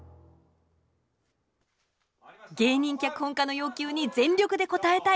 芸人脚本家の要求に全力で応えたい。